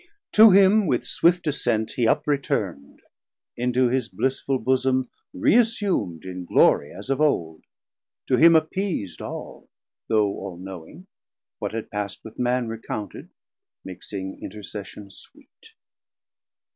To him with swift ascent he up returnd, Into his blissful bosom reassum'd In glory as of old, to him appeas'd All, though all knowing, what had past with Man Recounted, mixing intercession sweet.